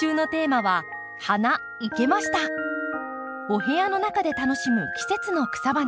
お部屋の中で楽しむ季節の草花